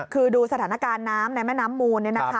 คือดูสถานการณ์น้ำในแม่น้ำมูล